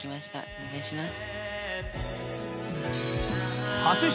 お願いします。